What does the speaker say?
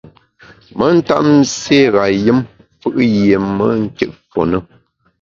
Me ntap nségha yùm fù’ yié me nkit fu ne.